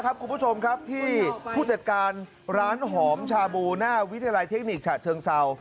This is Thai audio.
คุณผู้ชมครับที่ผู้จัดการร้านหอมชาบูหน้าวิทยาลัยเทคนิคฉะเชิงเศร้า